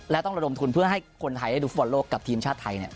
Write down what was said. และต้องระดมทุนเพื่อให้คนไทยได้ดูฟุตบอลโลกกับทีมชาติไทย